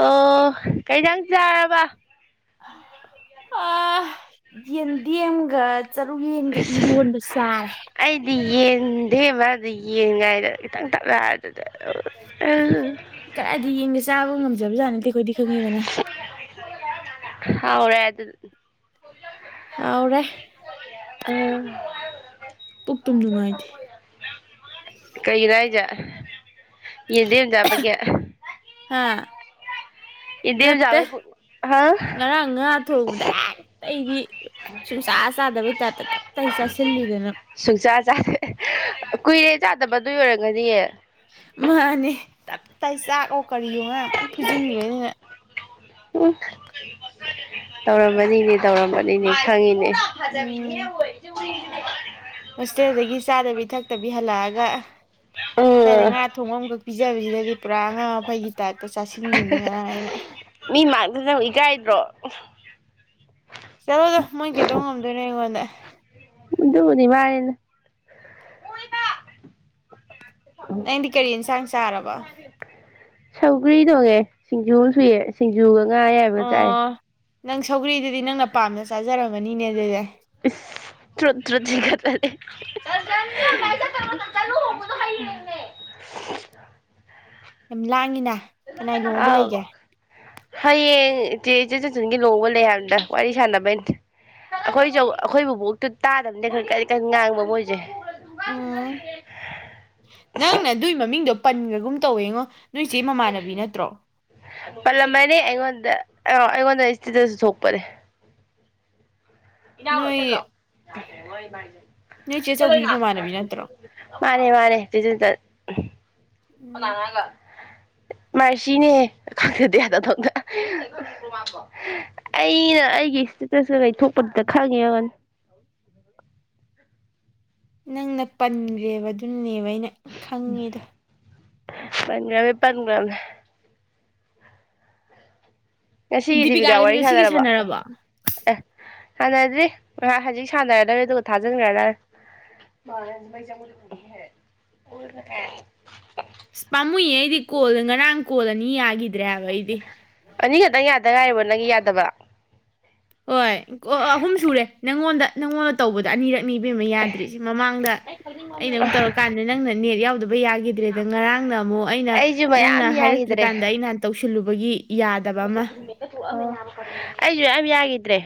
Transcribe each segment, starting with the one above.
ꯑꯣ ꯀꯩꯇꯪ ꯆꯥꯔꯕ ꯗꯤ ꯍꯨ ꯆꯔꯨꯛ ꯌꯦꯟꯒ ꯑꯁ ꯏꯔꯣꯟꯕ ꯆꯥꯏ ꯑꯩꯗꯤ ꯌꯦꯟꯗꯦ ꯃꯥꯗꯤ ꯌꯦꯡꯉꯥꯏꯗ ꯈꯤꯇꯪ ꯇꯞꯂ ꯑꯗꯨꯗ ꯀꯔꯗꯤ ꯌꯦꯡꯒꯦ ꯆꯥꯕ ꯉꯝꯗ ꯌꯥꯅꯤ ꯀꯣꯏꯗꯤ ꯈꯪꯉꯤꯕꯅ ꯍꯥꯎꯔ ꯌꯥ ꯑꯗꯨ ꯍꯥꯎ꯭ꯔꯦ ꯎꯝ ꯄꯨꯣꯛꯛꯇꯨꯝ ꯅꯨꯡꯉꯥꯏꯗꯦ ꯌꯦꯗꯦꯟ ꯥꯕꯒ ꯍꯥꯥ ꯌꯦꯟꯗꯦꯝ ꯅꯠꯇꯦ ꯆꯥꯕꯩ ꯄꯨꯛ ꯍꯥ ꯉꯔꯥꯡ ꯉꯥ ꯊꯣꯡꯕꯗ ꯑꯇꯩꯗꯤ ꯁꯨꯡꯆꯥ ꯆꯥꯗꯕꯩ ꯇꯥꯞꯇ ꯇꯞꯇ ꯆꯥꯁꯤꯜꯂꯨꯗꯅ ꯁꯨꯡꯆꯥ ꯀꯨꯏꯔꯦ ꯆꯥꯗꯕ ꯑꯗꯨ ꯑꯣꯏꯔꯝꯒꯅꯤꯌꯦ ꯃꯥꯅꯦ ꯇ ꯇꯥꯏ ꯆꯥꯛꯑꯣꯣ ꯀꯔꯤꯌꯣ ꯉ ꯀꯟ ꯐꯨꯁꯤꯟꯈ꯭ꯔꯦꯅꯤꯅ ꯎꯝ ꯇꯧꯔꯝꯃꯅꯤꯅꯦ ꯇꯧꯔꯝꯃꯅꯤꯅꯦ ꯈꯪꯉꯤꯅꯦ ꯎꯝ ꯍꯣꯁꯇꯦꯜꯗꯒꯤ ꯆꯥꯗꯕꯤ ꯊꯛꯇꯕꯤ ꯍꯜꯂꯛꯑꯒ ꯁꯅ ꯎꯝ ꯉꯥ ꯊꯣꯡ ꯑꯃꯈꯛ ꯄꯤꯖꯕꯁꯤꯗꯗꯤ ꯄꯨꯔꯥ ꯉꯥ ꯐꯩꯒꯤ ꯃꯤ ꯃꯥꯡꯗꯅꯪ ꯏꯀꯥꯏꯗ꯭ꯔꯣ ꯆꯂꯣꯗꯣ ꯃꯣꯏ ꯀꯩꯗꯧ ꯉꯝꯗꯣꯏꯅꯣ ꯑꯩꯉꯣꯟꯗ ꯎꯗꯅꯤꯃꯅ ꯅꯪꯗꯤ ꯀꯔꯤ ꯌꯦꯟꯁꯥꯡ ꯆꯥꯔꯕ ꯁꯧꯒ꯭ꯔꯤ ꯇꯣꯡꯉꯦ ꯁꯤꯡꯖꯨ ꯁꯨꯏꯌꯦ ꯁꯤꯡꯖꯨꯒ ꯅꯨꯡ ꯉꯥꯏꯕꯖꯥꯏ ꯑꯣ ꯅꯪ ꯁꯧꯒ꯭ꯔꯤꯗꯨꯗꯤ ꯅꯪꯅ ꯄꯥꯝꯅ ꯆꯥꯖꯔꯝꯃꯅꯤꯅꯦ ꯑꯗꯨꯗꯤ ꯇ ꯇ꯭ꯔ ꯒ ꯇꯔꯦ [unintelligible] ꯌꯥꯝ ꯂꯥꯡꯉꯤꯅ ꯀꯅꯥꯏ ꯂꯨꯍꯣꯡꯕ ꯑꯥꯎ ꯂꯩꯒꯦ ꯍ ꯆꯦ ꯆ ꯀꯤ ꯂꯍꯕ ꯂꯩ ꯍꯥꯏꯕꯗ ꯋꯥꯔꯤ ꯁꯥꯟꯅꯕꯩꯩꯅ ꯑꯩꯈꯣꯏꯁꯨ ꯑꯩꯈꯣꯏꯕꯨ ꯕꯣꯛꯇꯨ ꯇꯥꯗꯕꯅꯦ ꯈ ꯀꯔꯤ ꯀꯔꯤ ꯉꯥꯡꯕ ꯃꯣꯏꯁꯦ ꯎꯝ ꯅꯪꯅ ꯑꯗꯨꯏ ꯃꯃꯤꯡꯗꯣ ꯄꯟꯒꯨꯝ ꯇꯧꯋꯦꯉꯣ ꯅꯣꯏ ꯆꯦ ꯃꯃꯥꯟꯅꯕꯤ ꯅꯠꯇ꯭ꯔꯣ ꯄꯜꯂꯝꯕꯅꯤ ꯑꯩꯉꯣꯟꯗ ꯑ ꯑꯩꯉꯣꯟꯗ ꯏꯁꯇꯗꯁꯨ ꯊꯣꯛꯣꯛꯄꯔꯦ ꯅꯣꯏ ꯅꯣꯏ ꯆꯦ ꯆꯧꯕꯤ ꯃꯃꯥꯟꯅꯕꯤ ꯅꯠꯇ꯭ꯔꯣ ꯃꯥꯅꯦ ꯃꯥꯅꯦ ꯎꯝ ꯍꯒ ꯃꯥꯔꯁꯤꯅꯦ ꯈꯪꯗꯦ ꯑꯩꯅ ꯑꯩꯒꯤ ꯏꯁꯇꯨꯇ ꯀꯩꯊꯣꯛꯄꯗꯨꯗ ꯈꯪꯉꯦꯅꯤ ꯅꯪꯅ ꯄꯟꯈ꯭ꯔꯦꯕ ꯑꯗꯨꯅꯦꯕ ꯑꯩꯅ ꯈꯪꯉꯦꯗ ꯄꯟꯖ꯭ꯔꯃꯦꯦ ꯄꯒ꯭ꯔꯃꯦ ꯉꯁꯤꯒꯤ ꯗꯤꯕꯤꯀꯥ ꯗꯤꯄꯤꯀꯥꯒꯗꯤ ꯋꯥꯔꯤ ꯉꯁꯤꯒꯤ ꯁꯥꯟꯅꯔꯕ ꯁꯥꯟꯅꯔꯕꯣ ꯑꯦ ꯁꯥꯟꯅꯗ꯭ꯔꯤ ꯍꯧꯖꯤꯛ ꯁꯥꯟꯅꯔꯗꯔꯦ ꯑꯗꯨꯒ ꯊꯥꯖꯤꯟꯈ꯭ꯔꯔ ꯄꯥꯝꯃꯨꯏ ꯑꯩꯗꯤ ꯀꯣꯜ ꯉꯔꯥꯡ ꯀꯣꯜꯂꯅꯤ ꯌꯥꯈꯤꯗꯦ ꯏꯗ꯭ꯔꯦꯕ ꯏꯗꯤ ꯗ ꯉꯥꯏꯔꯣ ꯅꯪꯒꯤ ꯌꯥꯗꯕ ꯍꯣꯏ ꯑꯣ ꯑꯍꯨꯝ ꯁꯨꯔꯦ ꯅꯪꯉꯣꯟꯗ ꯅꯪꯉꯣꯟꯗ ꯇꯧꯕꯗ ꯑꯅꯤꯔꯛ ꯅꯤꯕ ꯑꯃ ꯌꯥꯗ꯭ꯔꯤꯁꯦ ꯃꯃꯥꯡꯗ ꯑꯩꯅ ꯑꯃꯨꯛ ꯇꯧꯔꯀꯥꯟꯗ ꯅꯪꯅ ꯅꯦꯠ ꯌꯥꯎꯗꯕ ꯌꯥꯈꯤꯗ꯭ꯔꯦꯗ ꯉꯔꯥꯡꯅ ꯑꯃꯨꯛ ꯑꯩꯅ ꯑꯩꯁꯨ ꯅꯪꯅ ꯃꯌꯥꯝ ꯍꯥꯏꯔꯛꯇ꯭ꯔꯤꯀꯥꯟꯗ ꯑꯩ ꯅꯍꯥꯟ ꯇꯧꯁꯤ ꯊꯤꯜꯂꯨꯕꯒꯤ ꯎꯔ ꯊ ꯑꯩ ꯌꯥꯈꯤꯗ꯭ꯔꯦ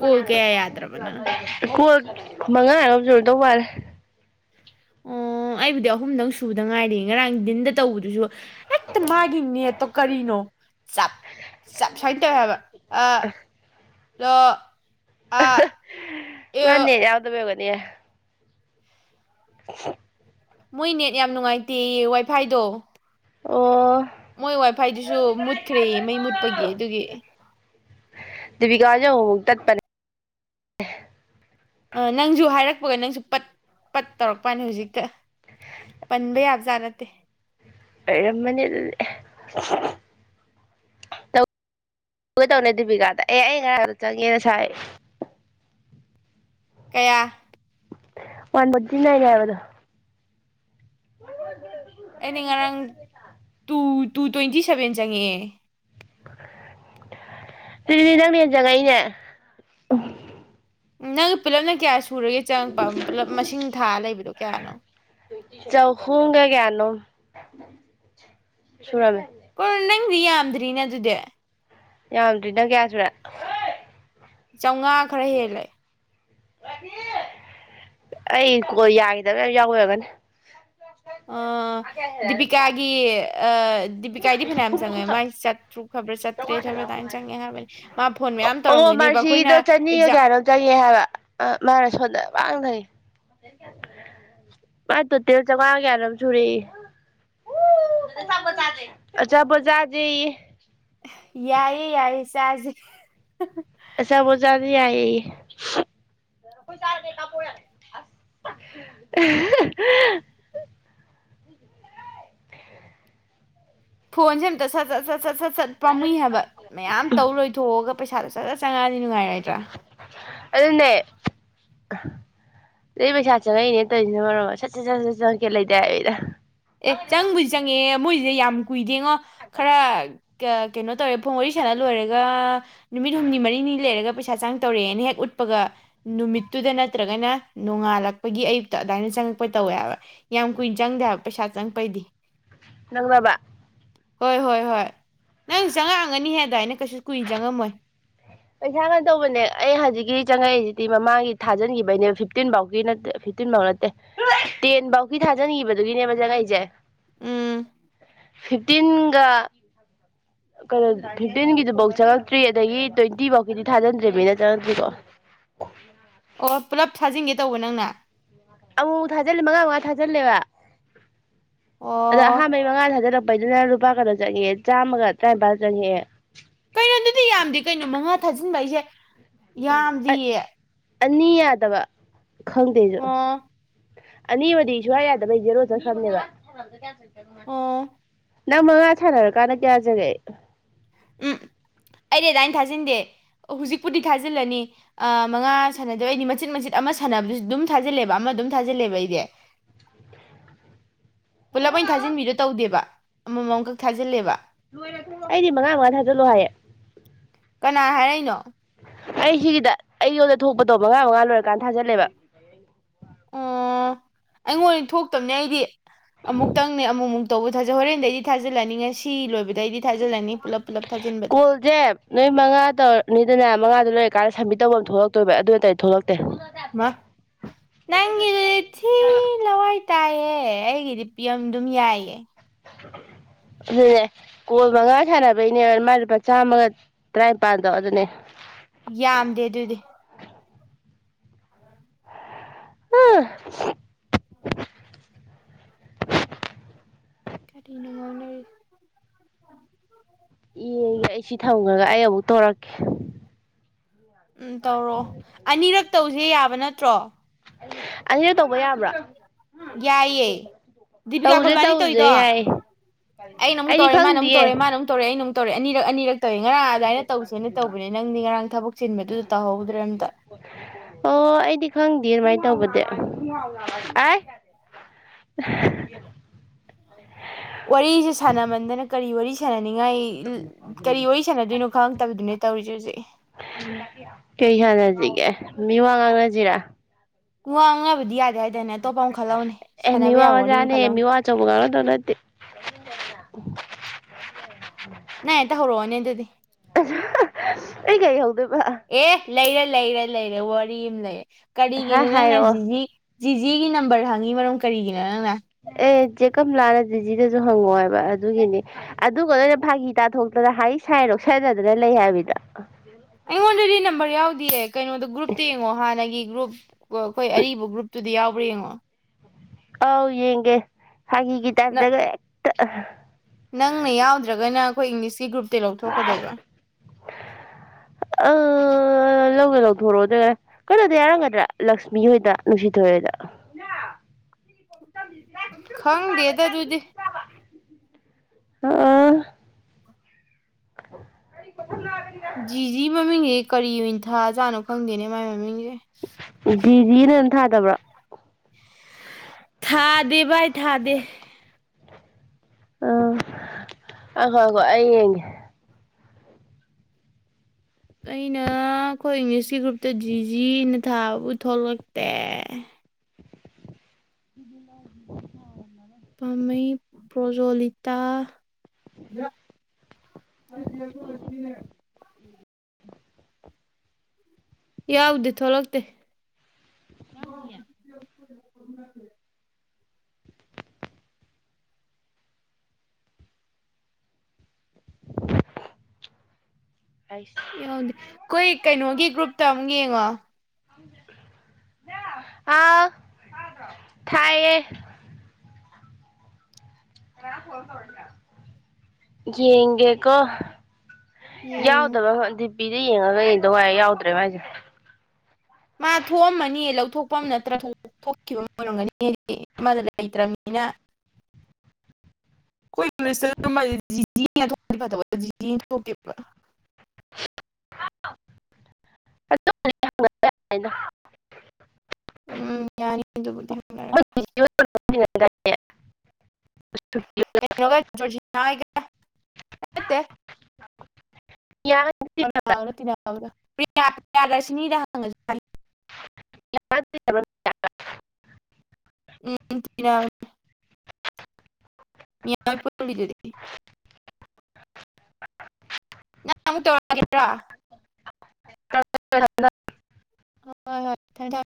ꯀꯣꯜ ꯀꯌꯥ ꯌꯥꯗ꯭ꯔꯕ ꯅꯪ ꯀꯣ ꯃꯉꯥ ꯂꯧꯖꯨꯔꯗꯧ ꯋꯥꯂꯦ ꯑꯣ ꯑꯩꯕꯨꯗꯤ ꯑꯍꯨꯝꯗꯪ ꯁꯨꯕꯗ ꯉꯥꯏꯔꯤ ꯉꯔꯥꯡ ꯗꯤꯟꯗ ꯇꯧꯕꯗꯨꯁꯨ ꯍꯦꯛꯇ ꯃꯥꯒꯤ ꯅꯦꯠꯇꯣ ꯀꯔꯤꯅꯣ ꯆꯞ ꯆꯞ ꯁꯨꯃꯥꯏꯅ ꯇꯧꯋꯦ ꯍꯥꯏꯕ ꯑ ꯂꯣ ꯑ ꯑꯦ ꯗꯦ [unintelligible] ꯃꯣꯏ ꯅꯦꯠ ꯌꯥꯝ ꯅꯨꯡꯉꯥꯏꯇꯦ ꯋꯥꯏꯐꯥꯏꯗꯣ ꯑꯣ ꯃꯣꯏ ꯋꯥꯏꯐꯥꯏꯗꯨꯁꯨ ꯃꯨꯠꯈ꯭ꯔꯦ ꯃꯩ ꯃꯨꯠꯄꯒꯤ ꯑꯗꯨꯒꯤ ꯤꯕꯀꯥꯖꯨꯛ ꯇꯠꯄꯔ ꯑ ꯅꯪꯁꯨ ꯍꯥꯏꯔꯛ ꯆꯄꯒ ꯅꯪꯁꯨ ꯄꯠ ꯄꯠ ꯇꯧꯔꯛꯄꯅꯤ ꯍꯧꯖꯤꯛꯇ ꯄꯟꯕ ꯌꯥꯕꯖꯥꯠ ꯅꯠꯇꯦ ꯑꯣꯏꯔꯝꯃꯅꯤ ꯇꯧꯅ ꯗꯦꯕꯤꯀꯥꯗ ꯑꯦ ꯑꯩ ꯉꯔꯥꯡꯗ ꯆꯪꯉꯦꯅ ꯁꯥꯏ ꯀꯌꯥ ꯋꯥꯟ ꯃꯗꯟ ꯏꯗ ꯌꯥꯎꯗꯨꯣ [unintelligible] ꯑꯩꯅ ꯉꯔꯥꯡ ꯇꯨ ꯇꯨ ꯇ꯭ꯋꯦꯟꯇꯤ ꯁꯚꯦꯟ ꯆꯪꯉꯛꯑꯦ ꯑꯗꯨꯔꯤꯗꯤ ꯅꯪꯅꯦꯦꯟꯖꯉꯥꯏꯅꯦ ꯅꯪ ꯄꯤꯂꯞꯅ ꯀꯌꯥ ꯁꯨꯔꯒ ꯆꯪꯉꯛꯄ ꯄꯨꯜꯂꯞ ꯃꯁꯤꯡ ꯊꯥ ꯂꯩꯕꯗꯣ ꯀꯌꯥꯅꯣ ꯆꯧꯍꯣꯡꯒ ꯀꯅꯣ ꯁꯅ ꯀꯣꯏ ꯅꯪꯗꯤ ꯌꯥꯝꯗ꯭ꯔꯤꯅꯦ ꯑꯗꯨꯗꯤ ꯌꯥꯝꯗ꯭ꯔꯤ ꯅꯪ ꯀꯌꯥ ꯁꯨꯔꯦ ꯆꯥꯝꯃꯉꯥ ꯈꯔ ꯍꯦꯜꯂꯦ ꯑꯩꯣ ꯌꯥꯈꯤꯗꯕ ꯌꯥꯝ ꯌꯥꯎꯋꯔꯒꯅꯤ ꯑ ꯗꯤꯄꯀꯒꯤ ꯗꯗꯤꯕꯤꯀꯥꯏꯗꯤ ꯐꯌꯥꯝ ꯑꯃꯝ ꯁꯉꯦ ꯃꯥꯏ ꯆꯇ꯭ꯔꯨ ꯈꯕꯔ ꯁꯠꯇꯦꯕ ꯇꯥꯏ ꯆꯪꯦ ꯍꯥꯏꯕ ꯑꯣ ꯃꯥꯔꯁꯤꯗꯣ ꯆꯅꯤꯒ ꯑꯦꯛꯖꯥꯝ ꯀꯌꯥꯅꯣ ꯆꯪꯉꯦ ꯍꯥꯏꯕ ꯃꯥꯅ ꯁꯣꯟꯗ ꯄꯥꯡꯅꯩ ꯃꯥ ꯇꯣꯇꯦꯜ ꯆꯥꯝꯃꯉꯥ ꯀꯌꯥꯅꯣꯝ ꯁꯨꯔꯛꯏ ꯑꯆꯥꯄꯣꯥꯁꯦ ꯌꯥꯏ ꯌꯥꯏ ꯆꯖꯦ ꯑꯁ ꯃꯖꯥꯅꯤ ꯌꯥ ꯣꯏ ꯆꯥ ꯀꯄ ꯑ ꯐꯣꯟ ꯁꯇ ꯆ ꯆ ꯠ ꯆꯠ ꯁꯠ ꯆꯠ ꯄꯥꯝꯏ ꯍꯥꯏꯕ ꯃꯌꯥꯝ ꯇꯧꯔꯣꯏꯊꯣꯛꯑꯒ ꯄꯩꯁꯥꯗꯨ ꯆꯖ ꯆꯉꯑꯗꯤꯅꯨꯡꯉꯥꯏꯔꯦ ꯑꯗꯨꯟꯅꯦ ꯑꯗꯨ ꯄꯩꯁꯥ ꯆꯪꯉꯛꯏꯅꯦ ꯇꯣꯏꯁꯤꯅ ꯃꯔꯝꯗ ꯁꯠ ꯁꯠ ꯁꯠ ꯁꯠ ꯆꯪꯉꯛꯀꯦ ꯂꯩꯗꯥꯏꯣꯏꯗ ꯑꯦ ꯆꯪꯕꯨꯗꯤ ꯆꯪꯉꯦ ꯃꯣꯏꯁꯦ ꯌꯥꯝ ꯀꯨꯏꯗꯦꯉꯣ ꯈꯔ ꯀꯩꯅꯣ ꯇꯧꯔꯦ ꯐꯣꯡ ꯋꯥꯔꯤ ꯁꯥꯟꯅ ꯂꯣꯏꯔꯒ ꯅꯨꯃꯤꯠ ꯍꯨꯝꯅꯤ ꯃꯔꯤꯅꯤ ꯂꯩꯔꯒ ꯄꯩꯁꯥ ꯆꯪ ꯇꯧꯔꯛꯑꯦꯅ ꯍꯦꯛ ꯎꯠꯄꯒ ꯅꯨꯃꯤꯠꯇꯨꯗ ꯅꯠꯇ꯭ꯔꯒꯅ ꯅꯣꯡꯉꯥꯜꯂꯛꯄꯒꯤ ꯑꯌꯨꯛꯇ ꯑꯗꯨꯃꯥꯏꯅ ꯆꯪꯉꯛꯄ ꯇꯧꯋꯦꯕ ꯌꯥꯝ ꯀꯨꯏꯅ ꯆꯪꯗꯦ ꯍꯥꯏꯕ ꯄꯩꯁꯥ ꯆꯪꯕꯩꯗꯤ ꯅꯪ ꯕꯥ ꯍꯣꯏ ꯍꯣꯏ ꯍꯣꯏ ꯅꯪ ꯆꯪꯉꯛꯑꯒꯅꯤ ꯍꯥꯏꯗ ꯑꯩꯅ ꯀꯩꯁꯨ ꯀꯨꯏ ꯆꯪꯉꯝꯃꯣꯏ ꯄꯩꯁꯥ ꯀ ꯇꯧꯕꯅꯦ ꯑꯩ ꯍꯧꯖꯤꯛꯀꯤ ꯆꯪꯉꯛꯏꯁꯤꯗꯤ ꯃꯃꯥꯡꯒꯤ ꯊꯥꯖꯤꯟꯈꯤꯕꯩꯅꯦꯕ ꯐꯤꯐꯇꯤꯟ ꯐꯥꯎꯒꯤꯠꯇ ꯐꯤꯐꯇꯤꯟ ꯐꯥꯎ ꯅꯠꯇꯦ ꯇꯦꯟ ꯐꯧꯒꯤ ꯊꯥꯖꯤꯟꯈꯤꯕꯗꯨꯒꯤꯅꯦꯕ ꯆꯪꯉꯛꯏꯁꯦ ꯎꯝ ꯐꯤꯐꯇꯤꯟꯒ ꯀꯩꯅꯣ ꯐꯤꯐꯇꯤꯟꯒꯤꯗꯨꯐꯧ ꯆꯪꯉꯛꯇ꯭ꯔꯤ ꯑꯗꯒꯤ ꯇ꯭ꯋꯦꯟꯇꯤ ꯐꯥꯎꯀꯤꯗꯤ ꯊꯥꯖꯤꯟꯗ꯭ꯔꯦꯅꯤꯅ ꯆꯪꯉꯛꯇ꯭ꯔꯤꯀꯣ ꯑꯣ ꯄꯨꯂꯞ ꯊꯥꯖꯤꯟꯒꯦ ꯇꯧꯕ ꯅꯪꯅ ꯑꯃꯨ ꯊꯥꯖꯤꯜꯂ ꯃꯉꯥ ꯃꯉꯥ ꯊꯥꯖꯤꯜꯂꯦꯕ ꯑꯗꯣ ꯑꯣ ꯑꯍꯥꯥꯟꯕꯩ ꯃꯉꯥꯗ ꯍꯥꯏꯗꯔ ꯕꯩꯗꯅ ꯂꯨꯄꯥ ꯀꯩꯅꯣ ꯆꯪꯉꯦ ꯆꯥꯝꯃꯒ ꯇꯔꯥꯅꯤꯄꯥꯜ ꯆꯪꯉꯦ ꯦ ꯌꯥꯝꯗꯤꯌꯦ ꯑꯅꯤꯗꯕ ꯈꯪꯗꯦꯁꯨ ꯑꯣ ꯑꯅꯤꯃ ꯁꯨꯡꯌꯥ ꯌꯥꯗꯕꯩ ꯦꯔꯣ ꯆꯠꯈ꯭ꯔꯕꯅꯦꯕ ꯎꯝ ꯅꯪ ꯃꯉꯥ ꯁꯥꯟꯅꯔꯀꯥꯟꯗ ꯀꯌꯥꯖꯔꯦ ꯎꯝ ꯑꯩꯗꯤꯗꯥꯏꯅ ꯊꯥꯖꯤꯟꯗꯦ ꯍꯧꯖꯤꯛꯄꯨꯗꯤ ꯊꯥꯖꯤꯜꯂꯅꯤ ꯃꯉꯥ ꯁꯥꯟꯅꯗꯕ ꯑꯩꯗꯤ ꯃꯆꯤꯠ ꯃꯆꯤꯠ ꯑꯃ ꯁꯥꯟꯅꯕꯗꯨꯁꯨ ꯑꯗꯨꯝ ꯊꯥꯖꯤꯜꯂꯦꯕ ꯑꯃ ꯑꯗꯨꯝ ꯊꯥꯖꯤꯜꯂꯦꯕ ꯑꯩꯗꯤ ꯄꯨꯂꯞ ꯑꯣꯏꯅ ꯊꯥꯖꯤꯟꯕꯤꯗꯣ ꯇꯧꯗꯦꯕ ꯑꯃꯃꯝꯈꯛ ꯊꯥꯖꯤꯜꯂꯦꯕ ꯑꯩꯗꯤ ꯃꯉꯥ ꯃꯉꯥ ꯊꯥꯖꯜꯂꯣ ꯍꯥꯏꯌꯦ ꯀꯅꯥ ꯍꯥꯏꯔꯛꯏꯅꯣ ꯑꯩ ꯁꯤꯒꯤꯗ ꯑꯩꯉꯣꯟꯗ ꯊꯣꯛꯄꯗꯣ ꯃꯉꯥ ꯃꯉꯥ ꯂꯣꯏꯔꯀꯥꯟꯗ ꯊꯥꯖꯤꯜꯂꯦꯕ ꯑꯣ ꯑꯩꯉꯣꯟꯗ ꯊꯣꯛꯇꯕꯅꯦ ꯑꯩꯗꯤ ꯑꯃꯨꯛꯇꯪꯅꯦ ꯑꯃꯨꯛꯃꯨꯛ ꯇꯧꯕ ꯊꯥꯖ ꯍꯣꯔꯦꯟꯗꯩꯗꯤ ꯊꯥꯖꯤꯜꯂꯛꯅꯤꯡꯉꯦ ꯁꯤ ꯂꯣꯏꯕ ꯀꯣꯜꯁꯦ ꯅꯣꯏ ꯃꯉꯥ ꯇꯧꯔꯅꯤꯗꯅ ꯃꯉꯥꯗ ꯂꯩꯔ ꯀꯥꯏꯔ ꯁꯝꯕꯤ ꯇꯕ ꯑꯃ ꯊꯣꯛꯂꯛꯇꯣꯏꯕ ꯑꯗꯨ ꯑꯣꯏꯇꯥꯗꯤ ꯊꯣꯛꯂꯛꯇ ꯃꯥ ꯅ ꯊꯤꯂ ꯇꯥꯏꯌꯦ ꯑꯩꯒꯤꯗꯤ ꯄꯤꯝ ꯑꯗꯨꯝ ꯌꯥꯏꯌꯦ ꯑꯗꯨꯅꯦ ꯀꯣ ꯃꯉꯥ ꯁꯥꯟꯅꯕꯩꯅꯦ ꯃꯥ ꯃꯆꯥꯥꯝꯃꯒ ꯇꯔꯥꯅꯤꯄꯥꯜꯗꯣ ꯑꯗꯨꯅꯦ ꯌꯥꯝꯗꯦ ꯑꯗꯨꯗꯤ ꯎꯥ ꯀꯅꯉꯅ ꯎ ꯇꯔꯀꯤ ꯎꯝ ꯇꯧꯔꯛꯑꯣ ꯑꯅꯤꯔꯛ ꯇꯧꯁꯦ ꯌꯥꯕ ꯅꯠꯇ꯭ꯔꯣ ꯑꯁꯤꯁꯨ ꯇꯧꯕ ꯌꯥꯕ꯭ꯔꯥ ꯌꯥꯏꯌꯦꯦ ꯗꯤꯕꯤꯀꯥ ꯈꯣꯏꯕꯥꯅꯤ ꯇꯧꯁꯦ ꯇꯧꯔꯤꯗꯣ ꯌꯥꯏ ꯑꯩꯅ ꯑꯃꯨꯛ ꯑꯩꯗꯤ ꯇꯧꯔꯦ ꯃꯥꯅ ꯑꯃꯨꯛ ꯈꯪꯗꯤꯌꯦ ꯇꯧꯔꯦ ꯃꯥꯅ ꯑꯃꯝ ꯇꯧꯔꯦ ꯑꯩꯅ ꯑꯃꯝꯛ ꯇꯧꯔꯦ ꯑꯅꯤꯛ ꯑꯅꯤꯔꯛ ꯇꯧꯋꯦ ꯉꯔꯥꯡ ꯑꯗꯨꯃꯥꯏꯅ ꯇꯧꯁꯦꯅ ꯇꯧꯕꯅꯦ ꯅꯪꯗꯤ ꯉꯔꯥꯡ ꯊꯕꯛ ꯆꯤꯟꯕꯗꯨꯗ ꯇꯧꯍꯧꯗ꯭ꯔꯦ ꯑꯝꯇ ꯑꯣ ꯑꯩꯗꯤ ꯈꯪꯗꯦ ꯑꯗꯨꯃꯥꯏ ꯇꯧꯕꯗꯤ ꯑꯩ ꯋꯥꯔꯤꯁꯦ ꯁꯥꯟꯅꯃꯟꯗꯅ ꯀꯔꯤ ꯋꯥꯔꯤ ꯁꯥꯟꯅ ꯌꯥꯅꯤꯡꯉꯥꯏ ꯀꯔꯤ ꯋꯥꯔꯤ ꯁꯥꯟꯅꯗꯣꯏꯅꯣ ꯈꯪꯉꯛꯇꯕꯗꯨꯅꯦ ꯇꯧꯔꯤꯁꯦ ꯍꯧꯖꯤꯛ ꯒꯦ ꯃꯤ ꯋꯥ ꯉꯥꯡꯅꯁꯤꯔꯥ ꯊꯨꯡ ꯑꯉꯕꯤ ꯌꯥꯗ ꯍꯥꯏ ꯑꯦꯃꯤꯋꯥ ꯑꯃ ꯃꯖꯥꯅꯦ ꯈꯜꯍꯧꯅꯦ ꯑꯦꯃꯤꯋꯥ ꯑꯆꯧꯕ ꯀꯥꯡꯅꯗꯧ ꯅꯠꯇꯦ ꯅ ꯑꯦꯇ ꯍꯧꯔꯛꯑꯣꯅꯦ ꯑꯗꯨꯗꯤ ꯑꯩ ꯀꯩ ꯍꯧꯜꯗ ꯑꯦ ꯂꯩꯔꯦ ꯂꯩꯔꯦ ꯂꯩꯔꯦ ꯋꯥꯔꯤ ꯑꯃ ꯂꯩꯔꯦ ꯍꯥ ꯀꯔꯤꯒꯅꯤꯅꯪ ꯍꯥꯏꯔꯛꯑꯣ ꯅꯖꯤꯖꯤ ꯖꯤꯖꯤꯒꯤ ꯅꯝꯕꯔ ꯍꯪꯉꯤ ꯃꯔꯝ ꯀꯔꯤꯒꯤꯅꯣ ꯅꯪꯅ ꯑꯦ ꯏꯆꯦ ꯀꯂꯥꯅ ꯗꯤꯖꯤꯗꯁꯨ ꯍꯪꯉꯣ ꯍꯥꯏꯕ ꯑꯗꯨꯒꯤꯅꯤ ꯑꯗꯨꯒ ꯂꯣꯏꯅ ꯐꯥꯒꯤ ꯇꯥꯊꯣꯛꯇꯅ ꯍꯥꯏꯔꯤ ꯁꯥꯏꯔꯣꯛ ꯁꯥꯏꯗꯗꯅ ꯂꯩ ꯍꯥꯏꯕꯤꯗ ꯑꯩ ꯑꯣꯜꯔꯦꯗꯤ ꯅꯝꯕꯔ ꯌꯥꯎꯗꯤꯌꯦ ꯀꯩꯅꯣꯗꯣ ꯒ꯭ꯔꯨꯞꯇ ꯌꯦꯡꯉꯣ ꯍꯥꯟꯅꯒꯤ ꯒ꯭ꯔꯨꯞ ꯎ ꯑꯩꯈꯣꯏ ꯑꯔꯤꯕ ꯒ꯭ꯔꯨꯞꯇꯨꯗꯤ ꯌꯥꯎ ꯑꯉꯣ ꯑꯥꯎ ꯌꯦꯒꯦ ꯍꯒ ꯇꯔꯗꯒ [unintelligible] ꯅꯪꯅ ꯌꯥꯎꯗ꯭ꯔꯒꯅ ꯑꯩꯈꯣꯏ ꯏꯪꯂꯤꯁꯀꯤ ꯒ꯭ꯔꯨꯞ ꯇ ꯂꯧꯊꯣꯛꯀꯗꯣꯏꯕ ꯑ ꯂꯧꯒ ꯂꯧꯊꯣꯔꯛꯑꯣ ꯑꯗꯨꯒ ꯀꯩꯅꯣꯗ ꯌꯥꯔꯝꯒꯗ꯭ꯔꯥ ꯂꯛꯁꯃꯤ ꯍꯣꯏꯗ ꯅꯨꯡꯁꯤꯊꯣꯏꯣꯏꯗ ꯈꯪꯗꯦꯗ ꯑꯗꯨꯗꯤ ꯍ [unintelligible] ꯖꯤ ꯃꯃꯦ ꯀꯔꯤ ꯏꯟꯊꯥꯖꯥꯠꯅꯣ ꯈꯪꯗꯦꯅꯦ ꯃꯥꯏ ꯃꯃꯤꯡꯁꯦ [unintelligible] ꯖꯤꯅ ꯑꯗꯨꯝ ꯊꯥꯗꯕ꯭ꯔꯥ ꯊꯥꯗꯦ ꯥꯏ ꯊꯥꯗꯦ ꯑ ꯑꯈꯣ ꯑꯒꯣ ꯑꯩ ꯌꯦꯡꯦ ꯑꯩꯅ ꯑꯩꯈꯣꯏ ꯏꯪꯂꯤꯁꯀꯤ ꯒ꯭ꯔꯨꯞꯇ ꯗꯤ ꯖꯤꯅ ꯊꯥꯕꯕꯨ ꯊꯣꯛꯂꯛꯇꯦ ꯑꯗꯨ ꯄꯥꯝꯩ ꯄ꯭ꯔꯖꯂꯤꯇꯥ ꯑꯗꯤ ꯑꯣꯏꯁꯤꯦ [unintelligible] ꯌꯥꯎꯗꯤ ꯊꯣꯛꯂꯛꯇꯦ ꯍ ꯍ ꯄꯨ ꯌꯥꯎꯗꯦ ꯑꯩꯈꯣꯏ ꯀꯩꯅꯣꯒꯤ ꯒ꯭ꯔꯨꯞꯇ ꯑꯃꯨꯛ ꯌꯦꯡꯉꯣ ꯑꯥꯎ ꯊꯌꯦ ꯌꯦꯒꯦꯀꯣ ꯌꯦꯡꯉꯣ ꯌꯥꯎꯗꯕꯗꯤ ꯕꯤꯗ ꯌꯦꯡꯉꯒ ꯌꯦꯡꯗ ꯋꯥꯏ ꯌꯥꯎꯗ꯭ꯔꯦꯕ ꯍꯥꯏꯁꯦ ꯃꯥ ꯊꯣꯛꯑꯝꯃꯅꯤ ꯂꯧꯊꯣꯛꯄ ꯑꯃ ꯅꯠꯇ꯭ꯔꯥ ꯊꯣꯛꯈꯤꯕ ꯑꯣꯏꯔꯝꯒꯅꯤ ꯑꯃꯗ ꯂꯩꯇ꯭ꯔꯕꯅꯤꯅ [unintelligible] ꯎꯝ ꯌꯥꯅꯤꯕꯨꯗꯤ ꯃ ꯇ [unintelligible] ꯅꯒꯠꯇꯦ ꯀ ꯇꯔꯔꯁꯅꯤꯗ [unintelligible] [unintelligible] [unintelligible] [unintelligible] [unintelligible] [unintelligible] ꯍꯣꯏ- ꯍꯣꯏ [unintelligible]